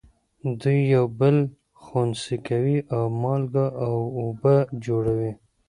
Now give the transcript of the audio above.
دوی یو بل خنثی کوي او مالګه او اوبه جوړوي.